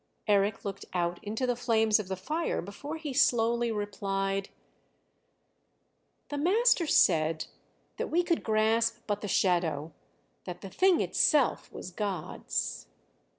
Eric looked out into the flames of the fire before he slowly replied: "The master said that we could grasp but the shadow, that the thing itself was God's.